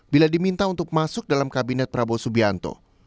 bila diminta untuk masuk dalam kabinet prabowo subianto